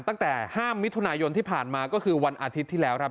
ตั้งแต่๕มิถุนายนที่ผ่านมาก็คือวันอาทิตย์ที่แล้วครับ